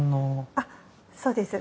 あっそうです。